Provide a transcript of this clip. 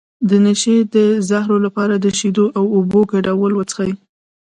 د نشې د زهرو لپاره د شیدو او اوبو ګډول وڅښئ